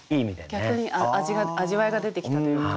逆に味わいが出てきたというか。